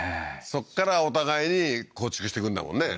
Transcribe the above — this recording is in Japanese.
そっからお互いに構築していくんだもんね